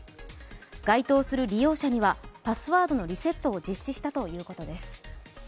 該当する利用者にはパスワードのリセットを実施したということです。